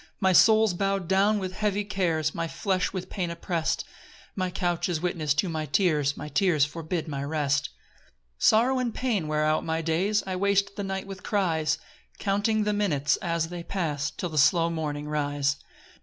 2 My soul's bow'd down with heavy cares, My flesh with pain oppress'd; My couch is witness to my tears, My tears forbid my rest. 3 Sorrow and pain wear out my days; I waste the night with cries, Counting the minutes as they pass, Till the slow morning rise.